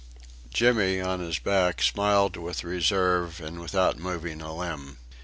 Jimmy, on his back, smiled with reserve and without moving a limb.